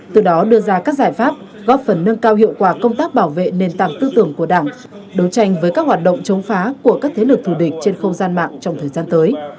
từ đó đưa ra các giải pháp góp phần nâng cao hiệu quả công tác bảo vệ nền tảng tư tưởng của đảng đấu tranh với các hoạt động chống phá của các thế lực thù địch trên không gian mạng trong thời gian tới